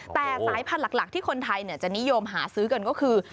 แต่สายพันธุ์หลักที่คนไทยจะนิยมหาซื้อกันก็คือ